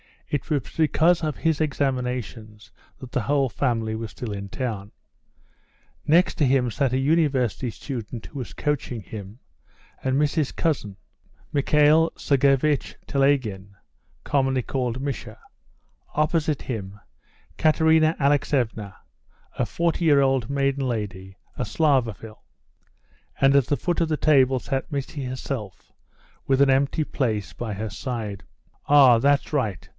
It was because of his examinations that the whole family were still in town. Next to him sat a University student who was coaching him, and Missy's cousin, Michael Sergeivitch Telegin, generally called Misha; opposite him, Katerina Alexeevna, a 40 year old maiden lady, a Slavophil; and at the foot of the table sat Missy herself, with an empty place by her side. "Ah! that's right!